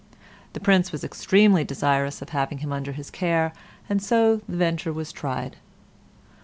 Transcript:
The Prince was extremely desirous of having him under his care, and so the venture was tried.